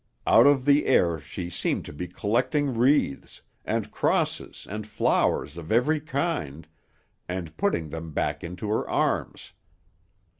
"Out of the air she seemed to be collecting wreaths, and crosses and flowers of every kind, and putting them back into her arms.